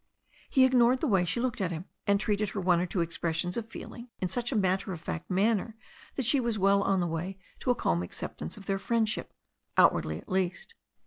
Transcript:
He ignored the way she looked at him, and treated her one or two expressions of feeling in such a matter of fact manner that she was well on the way to a calm acceptance of their friendship — outwardly, at least.